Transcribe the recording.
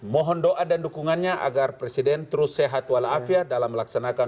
mohon doa dan dukungannya agar presiden terus sehat walafiat dalam melaksanakan